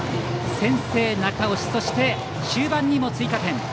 先制、中押し、そして終盤にも追加点。